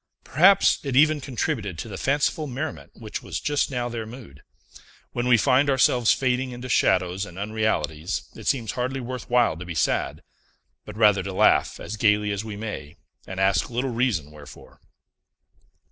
Perhaps it even contributed to the fanciful merriment which was just now their mood. When we find ourselves fading into shadows and unrealities, it seems hardly worth while to be sad, but rather to laugh as gayly as we may, and ask little reason wherefore.